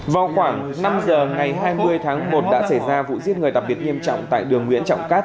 vào khoảng năm giờ ngày hai mươi tháng một đã xảy ra vụ giết người đặc biệt nghiêm trọng tại đường nguyễn trọng cát